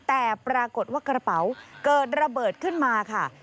แต่ปรากฏว่ากระเป๋าเกิดระเบิดขึ้นมาค่ะ